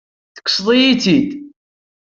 Tekkseḍ-iyi-tt-id.